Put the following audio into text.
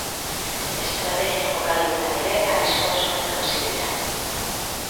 Estrategia jokaldietan ere arriskua sortzen hasi dira.